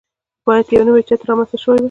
باید یو نوی چتر رامنځته شوی وای.